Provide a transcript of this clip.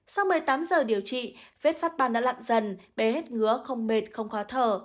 sau một mươi tám giờ điều trị vết phát ban đã lặn dần bé hết ngứa không mệt không khó thở